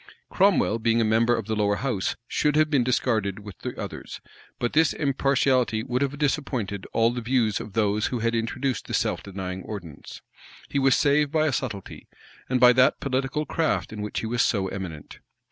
[] Cromwell, being a member of the lower house, should have been discarded with the others; but this impartiality would have disappointed all the views of those who had introduced the self denying ordinance. He was saved by a subtlety, and by that political craft in which he was so eminent.